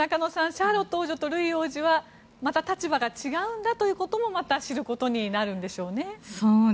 シャーロット王女とルイ王子はまた立場が違うんだということを知ることになるんでしょうね。